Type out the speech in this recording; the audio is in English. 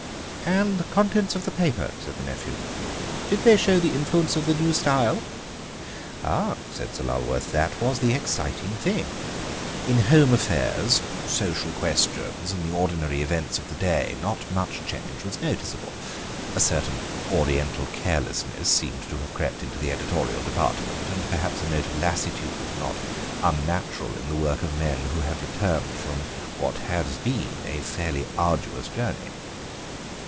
"And the contents of the paper," said the nephew, "did they show the influence of the new style?" "Ah!" said Sir Lulworth, "that was the exciting thing. In home affairs, social questions, and the ordinary events of the day not much change was noticeable. A certain Oriental carelessness seemed to have crept into the editorial department, and perhaps a note of lassitude not unnatural in the work of men who had returned from what had been a fairly arduous journey.